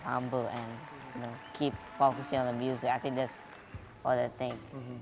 karena saya pikir semua orang memiliki kesempatan